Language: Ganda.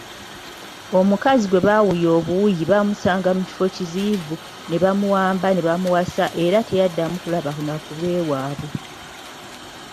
Omukazi gwe bawuya obuwuyi bamusanga mu kifo ekiziyivu ne bamuwamba ne bamuwasa era teyaddamu kulaba na kubeewabwe.